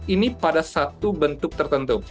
ini pada satu bentuk tertentu